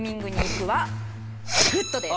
グッドです。